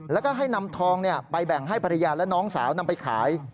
แล้วก็ให้นำทองไปแบ่งให้ภรรยาและน้องสาวนำไปขาย